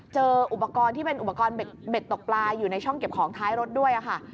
เจออุปกรณ์ที่เป็นอุปกรณ์เบ็ดตกปลาอยู่ในช่องเก็บของท้ายรถด้วยค่ะ